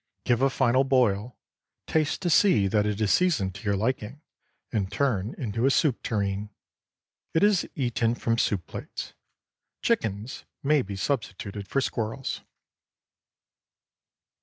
Give a final boil, taste to see that it is seasoned to your liking, and turn into a soup tureen. It is eaten from soup plates. Chickens may be substituted for squirrels.